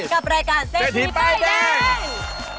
กับรายการเจธีไปแดง